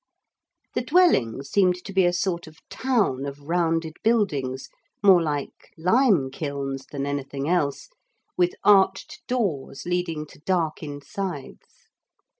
The Dwelling seemed to be a sort of town of rounded buildings more like lime kilns than anything else, with arched doors leading to dark insides.